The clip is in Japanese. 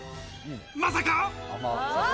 まさか？